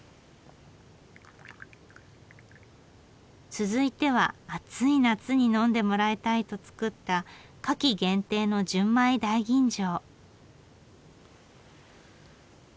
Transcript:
続いては暑い夏に呑んでもらいたいと造った夏季限定の純米大吟醸。